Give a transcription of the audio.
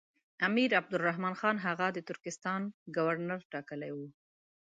امیر عبدالرحمن خان هغه د ترکستان ګورنر ټاکلی وو.